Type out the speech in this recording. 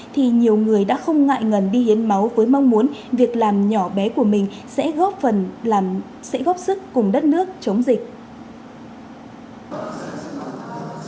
thì nhiều người đã không ngại ngần đi hiến máu với mong muốn việc làm nhỏ bé của mình sẽ góp sức cùng đất nước chống dịch